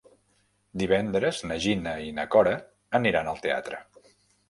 Divendres na Gina i na Cora aniran al teatre.